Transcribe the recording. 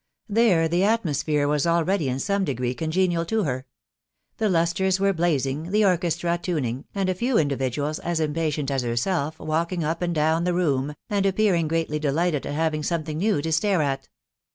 There the atmosphere was already in some degree congenial to her. The lustres were blazing, the orchestra tuning, and a . few individuals, as impatient as herself, walking up and down t the room, and appearing greatly delighted at having something . new to stare at.